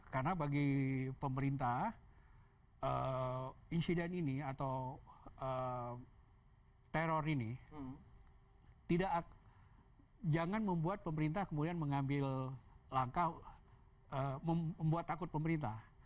karena bagi pemerintah insiden ini atau teror ini jangan membuat pemerintah kemudian mengambil langkah membuat takut pemerintah